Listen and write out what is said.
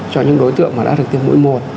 cho những đối tượng mà đã được tiêm mũi một